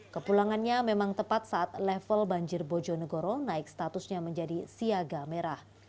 kepulangannya memang tepat saat level banjir bojonegoro naik statusnya menjadi siaga merah